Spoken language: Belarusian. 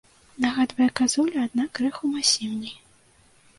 Нагадвае казулю, аднак крыху масіўней.